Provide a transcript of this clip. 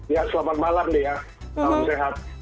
ya selamat malam dea salam sehat